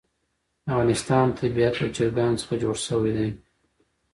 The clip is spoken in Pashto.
د افغانستان طبیعت له چرګانو څخه جوړ شوی دی.